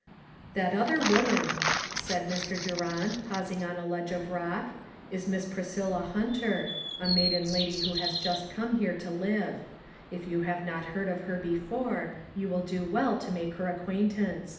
" That other woman," said Mr. Durant, pausing on a ledge of rock, " is Miss Pris cilla Hunter, a maiden lady who has just LOGIC. 121 come here to live. If you have not heard of her before, you will do well to make her acquaintance.